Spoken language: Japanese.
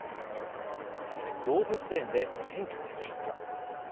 さて、動物園で選挙です。